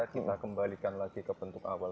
kita kembalikan lagi ke bentuk awal